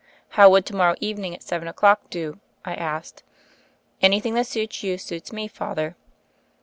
"How would to morrow evening at seven o'clock do?" I asked. "Anything that suits you, suits me. Father.'